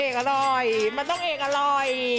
เอกอร่อยมันต้องเอกอร่อย